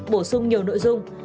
bổ sung nhiều nội dung